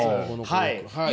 はい。